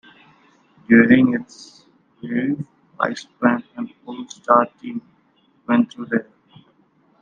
During its brief lifespan an all-star team went through there.